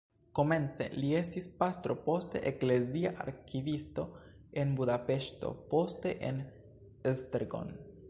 Komence li estis pastro, poste eklezia arkivisto en Budapeŝto, poste en Esztergom.